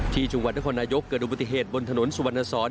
ที่จังหวัดนครนายกเกิดวิทย์บุติธีบนถนนสวรรณสอน